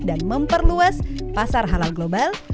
dan memperluas pasar halal global